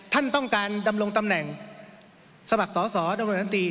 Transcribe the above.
ท่านต้องการดำลงตำแหน่งสมัครสอสอดำลงตำแหน่งรัฐวนตรี